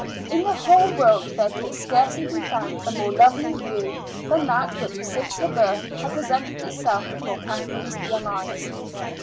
In the whole world there could scarcely be found a more lovely view than that which since her birth had presented itself before Kathleen's young eyes.